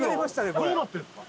どうなってんすか？